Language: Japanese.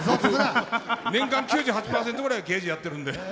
年間９８％ぐらい刑事やってるんで。